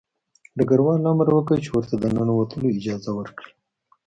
ډګروال امر وکړ چې ورته د ننوتلو اجازه ورکړي